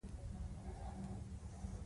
طالبانو او چړیانو تر سوکانو او لغتو لاندې کړ.